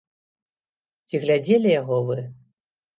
Ці глядзелі яго вы?